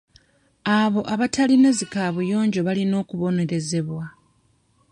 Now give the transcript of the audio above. Abo abatalina zi kaabuyonjo balina okubonerezebwa.